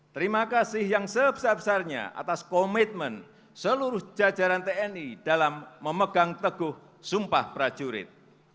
terima kasih yang sebesar besarnya atas profesionalisme tni yang terus meningkat